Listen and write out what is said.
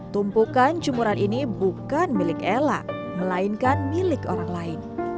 tumpukan cumuran ini bukan milik ella melainkan milik orang lain